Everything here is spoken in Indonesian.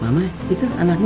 mama itu anakku